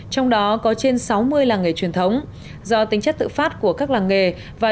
trong đó có trên sáu mươi làng nghề truyền thống do tính chất tự phát của các làng nghề và